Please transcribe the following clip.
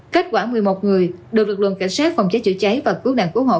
kết quả một mươi một người được lực lượng cảnh sát phòng cháy chữa cháy và cứu nạn cứu hộ